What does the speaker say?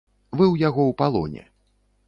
Вы ў яго ў палоне.